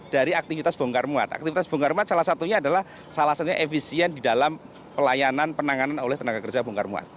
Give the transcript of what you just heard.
dari aktivitas bongkar muat aktivitas bongkar muat salah satunya adalah salah satunya efisien di dalam pelayanan penanganan oleh tenaga kerja bongkar muat